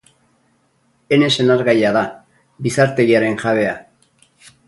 Ene senargaia da, bizartegiaren jabea.